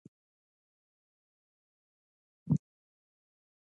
معلم غني په ډېره تواضع سره کار ته دوام ورکړ.